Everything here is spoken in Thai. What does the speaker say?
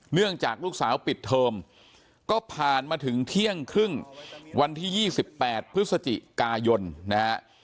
เนื่องจากลูกสาวปิดเทอมก็ผ่านมาถึงเที่ยงครึ่งวันที่๒๘พฤศจิกายนนะฮะ